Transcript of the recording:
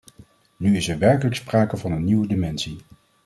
Nu is er werkelijk sprake van een nieuwe dimensie.